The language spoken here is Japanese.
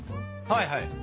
はいはい。